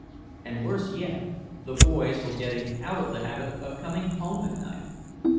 And worse yet, the boys were getting out of the habit of coming home at night.